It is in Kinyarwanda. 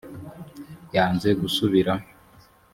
yanze gusubira